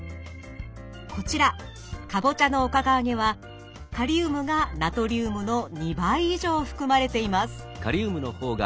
こちらかぼちゃのおかか揚げはカリウムがナトリウムの２倍以上含まれています。